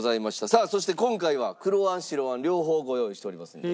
さあそして今回はあん白あん両方ご用意しておりますので。